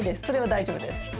それは大丈夫です。